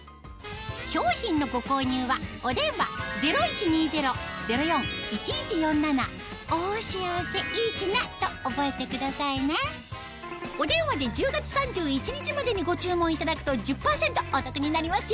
商品のご購入はお電話０１２０−０４−１１４７と覚えてくださいねお電話で１０月３１日までにご注文いただくと１０％お得になりますよ